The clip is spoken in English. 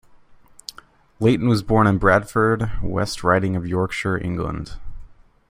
Layton was born in Bradford, West Riding of Yorkshire, England.